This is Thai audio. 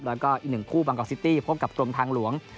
แล้วก็อีกหนึ่งคู่บางกอกซิตี้พบกับกรมทางหลวง